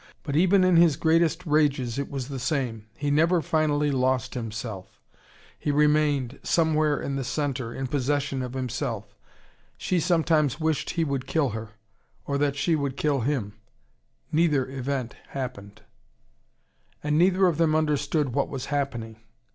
But even in his greatest rages it was the same: he never finally lost himself: he remained, somewhere in the centre, in possession of himself. She sometimes wished he would kill her: or that she would kill him. Neither event happened. And neither of them understood what was happening.